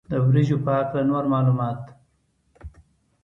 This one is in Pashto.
د وریجو په هکله نور معلومات.